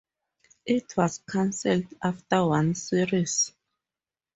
It was cancelled after one series.